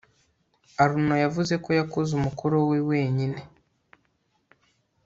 arnaud yavuze ko yakoze umukoro we wenyine